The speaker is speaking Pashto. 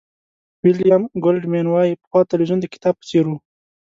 ویلیام گولډمېن وایي پخوا تلویزیون د کتاب په څېر و.